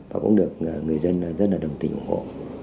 và cũng được người dân rất là đồng tình ủng hộ